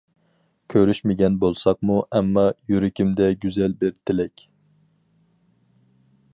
كۆرۈشمىگەن بولساقمۇ ئەمما، يۈرىكىمدە گۈزەل بىر تىلەك.